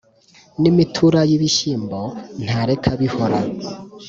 N’imitura y’ibishyimbo ntareka bihora